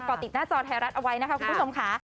ติดหน้าจอไทยรัฐเอาไว้นะคะคุณผู้ชมค่ะ